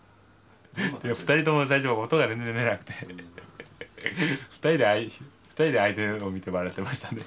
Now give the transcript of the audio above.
２人とも最初音が全然出なくて２人で相手の方を見て笑ってましたね。